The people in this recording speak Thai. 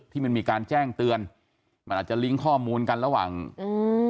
ที่มันมีการแจ้งเตือนมันอาจจะลิงก์ข้อมูลกันระหว่างอืม